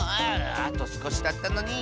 あとすこしだったのに。